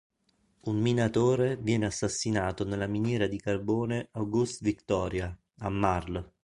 Un minatore viene assassinato nella miniera di carbone Auguste-Victoria, a Marl.